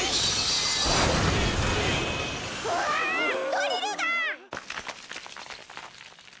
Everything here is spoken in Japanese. ドリルが！